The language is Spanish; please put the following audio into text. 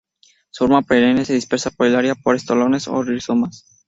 Su forma perenne se dispersa por el área por estolones o rizomas.